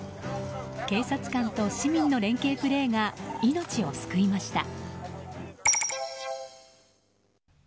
警察官と市民の連係プレーが命を救い蒔田。